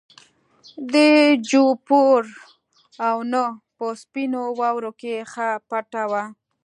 د جوپر ونه په سپینو واورو کې ښه پټه وه.